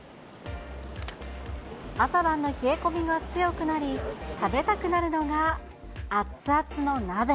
朝晩の冷え込みが強くなり、食べたくなるのが、熱々の鍋。